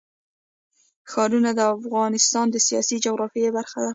ښارونه د افغانستان د سیاسي جغرافیه برخه ده.